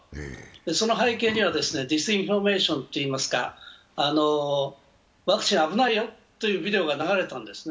その背景にはディス・インフォメーションといいますか、ワクチン危ないよというビデオが流れたんですね。